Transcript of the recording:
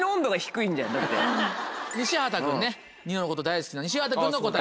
西畑君ねニノのこと大好きな西畑君の答え。